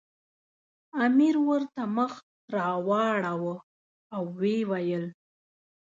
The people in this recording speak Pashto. امیر ورته مخ راواړاوه او ویې ویل.